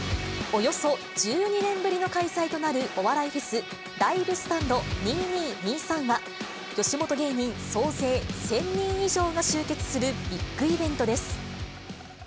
およそ１２年ぶりの開催となるお笑いフェス、ライブスタンド２２ー２３は、吉本芸人総勢１０００人以上が集結するビッグイベントです。